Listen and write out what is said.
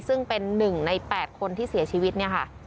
ซึ่งเป็น๑ใน๘คนที่เสียชีวิตเนี่ยค่ะ